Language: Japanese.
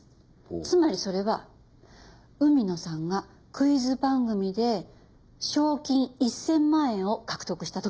つまりそれは海野さんがクイズ番組で賞金１０００万円を獲得した時なんです。